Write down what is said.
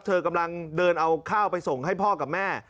เธอกำลังเดินเอาข้าวไปส่งให้พ่อกับแม่